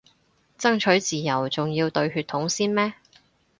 爭取自由仲要對血統先咩